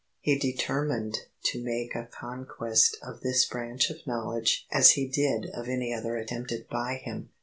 He determined to make a conquest of this branch of knowledge as he did of any other attempted by him.